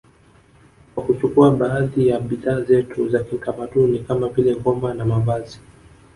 Kwa kuchukua baadhi ya bidhaa zetu za kitamaduni kama vile ngoma na mavazi